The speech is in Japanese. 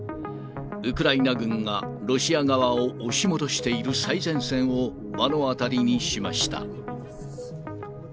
ウクライナ軍がロシア側を押し戻している最前線を目の当たりにしました。